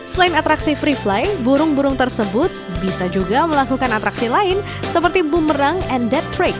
selain atraksi free fly burung burung tersebut bisa juga melakukan atraksi lain seperti bumerang and deptric